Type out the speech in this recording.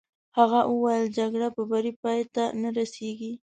هغه وویل: جګړه په بري پای ته نه رسېږي.